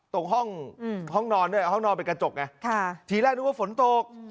ตรงห้องนอนด้วยห้องนอนเป็นกระจกไงทีแรกนึกว่าฝนตก